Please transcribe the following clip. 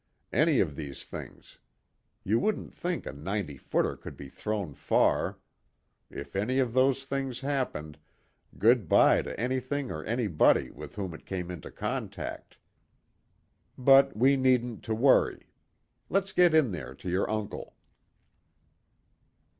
Any of these things. You wouldn't think a 'ninety footer' could be thrown far. If any of those things happened, good bye to anything or anybody with whom it came into contact. But we needn't to worry. Let's get in there to your uncle."